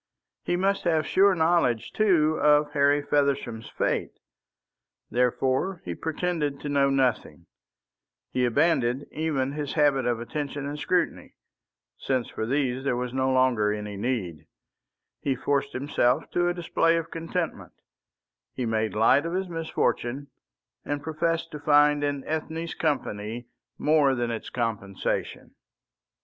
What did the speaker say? He must have sure knowledge, too, of Harry Feversham's fate. Therefore he pretended to know nothing; he abandoned even his habit of attention and scrutiny, since for these there was no longer any need; he forced himself to a display of contentment; he made light of his misfortune, and professed to find in Ethne's company more than its compensation.